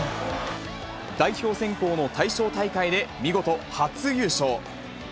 代表選考の対象大会で、見事初優勝。